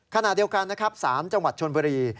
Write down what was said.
ขณะเดียวกัน๓จังหวัดชนบรี